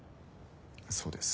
そうです。